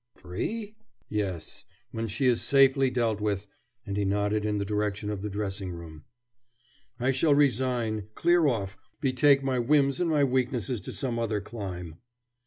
"Free?" "Yes. When she is safely dealt with," and he nodded in the direction of the dressing room, "I shall resign, clear off, betake my whims and my weaknesses to some other clime."